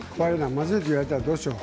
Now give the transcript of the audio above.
まずいって言われたらどうしよう。